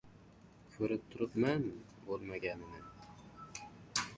— Ko‘rib turibman, bo‘lmaganini.